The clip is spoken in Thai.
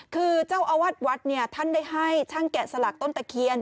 คือเจ้าอาวาสวัดเนี่ยท่านได้ให้ช่างแกะสลักต้นตะเคียน